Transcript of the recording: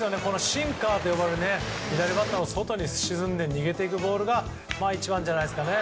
シンカーと呼ばれる左バッターの外に沈んで逃げるボールが一番じゃないですかね。